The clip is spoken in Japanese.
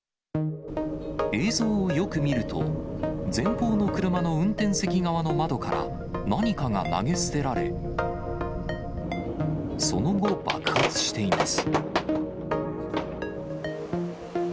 映像をよく見ると、前方の車の運転席側の窓から、何かが投げ捨てられ、その後、爆発しています。